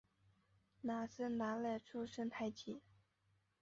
那森达赖出身台吉。